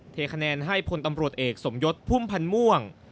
เทคะแนนให้พลตำรวจเอกสมยศพุ่มพันธ์ม่วง